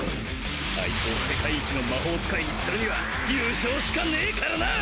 アイツを世界一の魔法使いにするには優勝しかねぇからな！